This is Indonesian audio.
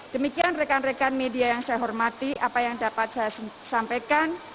demikian rekan rekan media yang saya hormati apa yang dapat saya sampaikan